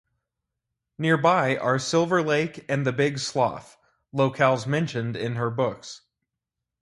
Nearby are Silver Lake and the Big Slough, locales mentioned in her books.